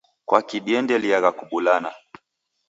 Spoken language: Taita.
Kwaki diendeliagha kubulana?